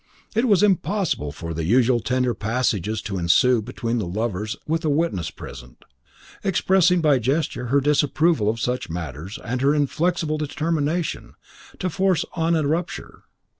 It was impossible for the usual tender passages to ensue between the lovers with a witness present, expressing by gesture her disapproval of such matters and her inflexible determination to force on a rupture.